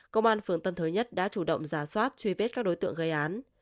công an phường tân thới nhất đã chủ động giả soát truy vết các đối tượng gây án